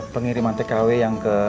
pengiriman tkw yang ke